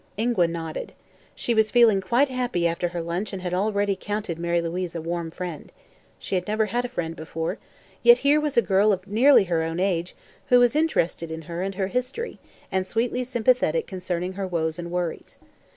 Ingua nodded. She was feeling quite happy after her lunch and already counted Mary Louise a warm friend. She had never had a friend before, yet here was a girl of nearly her own age who was interested in her and her history and sweetly sympathetic concerning her woes and worries.